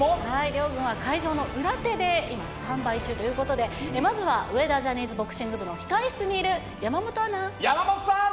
両軍は会場の裏手でスタンバイ中ということでまずは上田ジャニーズボクシング部の控え室にいる山本アナ。